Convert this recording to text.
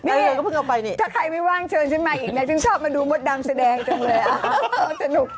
นี่ถ้าใครไม่ว่างเชิญฉันมาอีกฉันชอบมาดูมดดำแสดงจังเลย